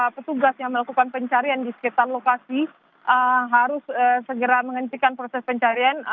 jadi petugas yang melakukan pencarian di sekitar lokasi harus segera menghentikan proses pencarian